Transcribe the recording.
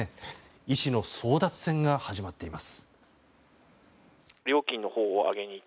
医師の争奪戦が始まっています。